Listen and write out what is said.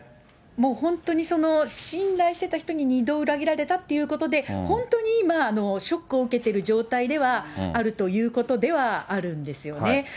もう本当に信頼してた人に２度裏切られたっていうことで、本当に今、ショックを受けてる状態ではあるということではあるんですよね。